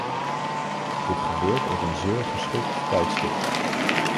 Dit gebeurt op een zeer geschikt tijdstip.